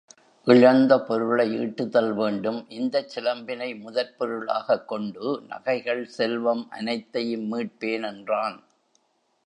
இழந்த பொருளை ஈட்டுதல் வேண்டும், இந்தச் சிலம்பினை முதற் பொருளாகக் கொண்டு நகைகள் செல்வம் அனைத்தையும் மீட்பேன் என்றான்.